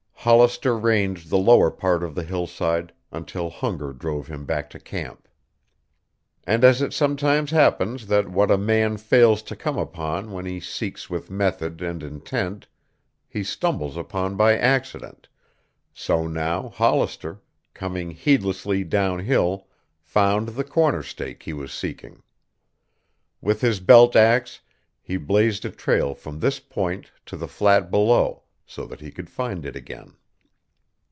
Hollister ranged the lower part of the hillside until hunger drove him back to camp. And, as it sometimes happens that what a man fails to come upon when he seeks with method and intent he stumbles upon by accident, so now Hollister, coming heedlessly downhill, found the corner stake he was seeking. With his belt axe he blazed a trail from this point to the flat below, so that he could find it again.